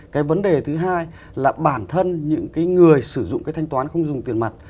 cái vấn đề thứ hai là bản thân những người sử dụng cái thanh toán không dùng tiền mặt